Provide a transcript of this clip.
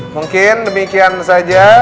mungkin demikian saja